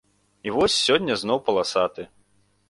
І вось, сёння зноў паласаты!